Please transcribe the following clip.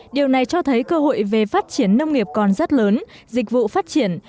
điều này cho thấy cơ hội về phát triển nông nghiệp còn rất lớn dịch vụ phát triển